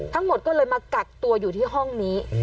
ทั้งหมดก็เลยมากักตัวอยู่ที่ห้องนี้